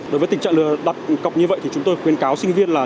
đối với tình trạng lừa đặt cọc như vậy thì chúng tôi khuyên cáo sinh viên là